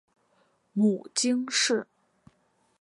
母金氏。